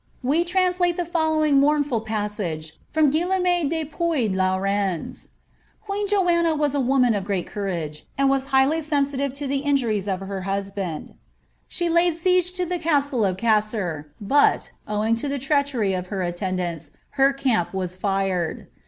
We translate the following mournful passage from Guillaume de Puy Lau rens ^—^ Qpeen Joanna was a woman df great courage, and was highly sensitive to the injuries of her husband. She laid siege to the castle of Cesser, but, owing to the treachery of her attendants, her camp was fired.